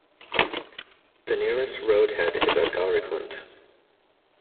The nearest road head is at Gaurikund.